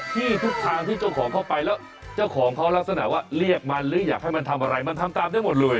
ที่ทุกทางที่เจ้าของเข้าไปแล้วเจ้าของเขาลักษณะว่าเรียกมันหรืออยากให้มันทำอะไรมันทำตามได้หมดเลย